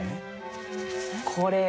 これよ。